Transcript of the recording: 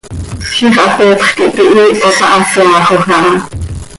Ziix hateepx quih pihiih oo ta, haseaaxoj aha.